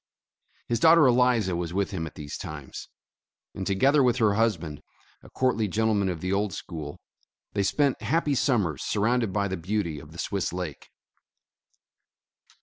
His daughter Eliza was with him at these times, and together with her husband, a courtly gentleman of the old school, they spent happy summers surrounded by the beauty of the Swiss Lake.